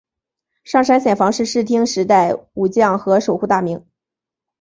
上杉显房是室町时代武将和守护大名。